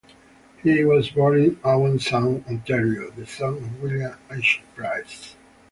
He was born in Owen Sound, Ontario, the son of William H. Price.